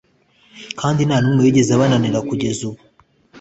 kandi nta n'umwe wigeze abananira kugeza ubu